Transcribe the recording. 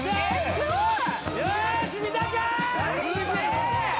すごいな。